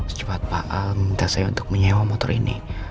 secepat pak minta saya untuk menyewa motor ini